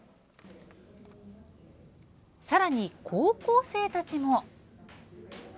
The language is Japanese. さらに、高校生たちも。